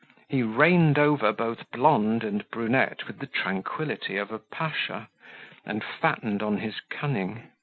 He reigned over both blonde and brunette with the tranquillity of a pasha, and fattened on his cunning.